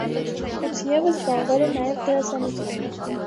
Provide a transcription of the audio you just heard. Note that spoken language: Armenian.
Խուցիևը զբաղվել է նաև դերասանությամբ։